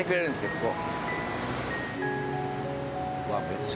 ここ。